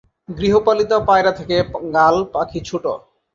গৃহপালিত পায়রা থেকে গাল পাখি ছোট।